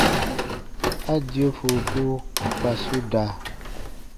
A dio fuuku kpa su da.